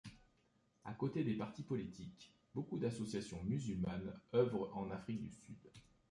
À côté des partis politiques, beaucoup d'associations musulmanes œuvrent en Afrique du Sud.